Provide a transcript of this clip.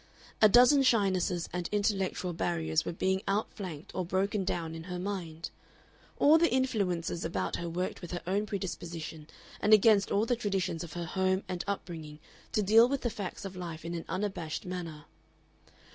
A dozen shynesses and intellectual barriers were being outflanked or broken down in her mind. All the influences about her worked with her own predisposition and against all the traditions of her home and upbringing to deal with the facts of life in an unabashed manner.